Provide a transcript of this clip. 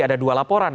ada dua laporan